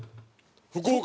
福岡